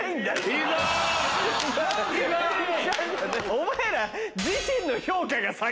お前ら。